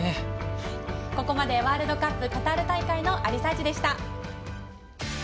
ここまでワールドカップカタール大会のありサーチでした。